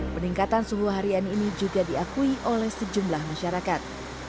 peningkatan suhu harian ini juga diakui oleh sejumlah masyarakat